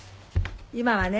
今はね